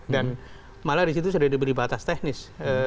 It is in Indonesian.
dan malah di situ sudah diberi batas teknis